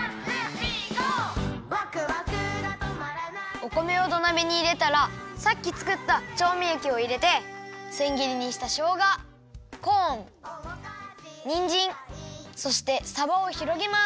お米を土鍋にいれたらさっきつくったちょうみえきをいれてせん切りにしたしょうがコーンにんじんそしてさばをひろげます。